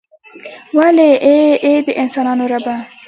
ولې ای ای د انسانانو ربه.